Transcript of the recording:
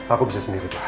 aku bisa sendiri pak